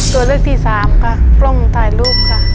ตัวเลือกที่๓ค่ะตรงถ่ายรูปค่ะ